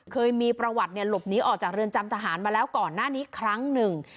เคยมีประวัติหลบหนีออกจากเรือนจำทหารมาแล้วก่อนหน้านี้ครั้งหนึ่ง